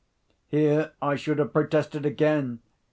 Here I should have protested again.